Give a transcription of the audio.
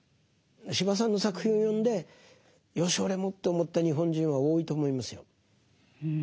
司馬さんの作品を読んでよし俺もと思った日本人は多いと思いますよ。